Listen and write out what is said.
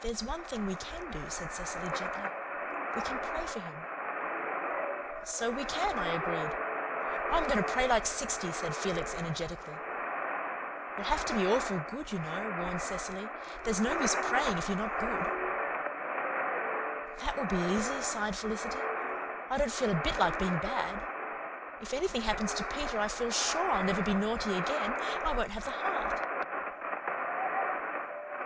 "There's one thing we can do," said Cecily gently. "We can pray for him." "So we can," I agreed. "I'm going to pray like sixty," said Felix energetically. "We'll have to be awful good, you know," warned Cecily. "There's no use praying if you're not good." "That will be easy," sighed Felicity. "I don't feel a bit like being bad. If anything happens to Peter I feel sure I'll never be naughty again. I won't have the heart."